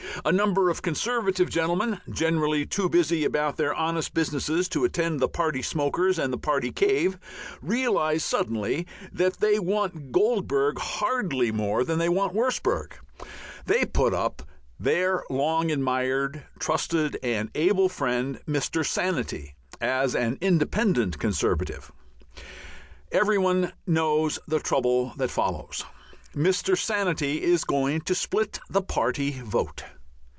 A number of Conservative gentlemen, generally too busy about their honest businesses to attend the party "smokers" and the party cave, realize suddenly that they want Goldbug hardly more than they want Wurstberg. They put up their long admired, trusted, and able friend Mr. Sanity as an Independent Conservative. Every one knows the trouble that follows. Mr. Sanity is "going to split the party vote."